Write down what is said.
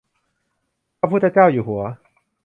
พระพุทธเจ้าอยู่หัว